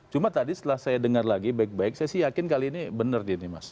cuma tadi setelah saya dengar lagi baik baik saya sih yakin kali ini benar dia nih mas